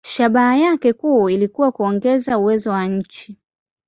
Shabaha yake kuu ilikuwa kuongeza uwezo wa nchi.